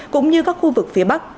cũng như các khu vực phía bắc